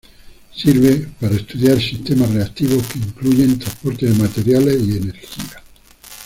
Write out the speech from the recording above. Sirve para estudiar sistemas reactivos que incluyen transporte de materiales y energía.